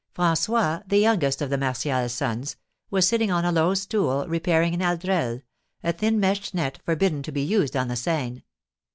François, the youngest of the Martial sons, was sitting on a low stool repairing an aldrel, a thin meshed net forbidden to be used on the Seine.